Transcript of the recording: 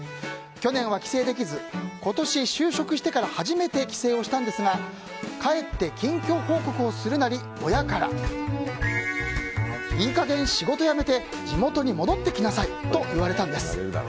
去年は帰省できず今年、就職してから初めて帰省をしたんですが帰って近況報告をするなり親から、いい加減仕事辞めて地元に戻ってきなさいと言われたんです。